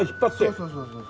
そうそうそうそう。